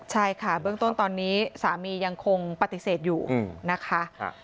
ใช่ค่ะเบื้องต้นตอนนี้สามียังคงปฏิเสธอยู่นะคะ